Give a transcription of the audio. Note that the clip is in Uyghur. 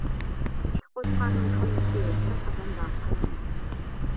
ئىككى قوچقارنىڭ كاللىسى بىر قازاندا قاينىماس.